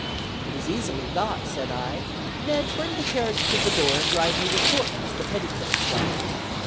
'It is easily got,' said I. 'Ned, bring the carriage to the door and drive me to Thornton's, the petticoat shop.'